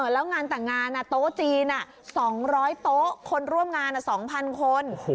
แล้วงานแต่งงานโต๊ะจีน๒๐๐โต๊ะคนร่วมงาน๒๐๐คน